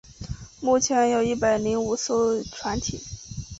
目前有一百零五艘船艇。